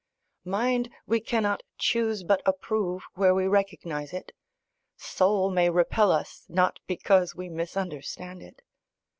Mind we cannot choose but approve where we recognise it; soul may repel us, not because we misunderstand it.